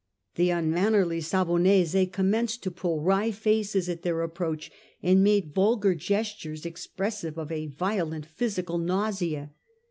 The unmannerly Savonese commenced to pull wry faces at their approach and made vulgar gestures expressive of a violent physical nausea.